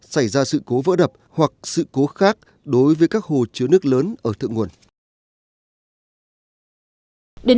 xảy ra sự cố vỡ đập hoặc sự cố khác đối với các hồ chứa nước lớn ở thượng nguồn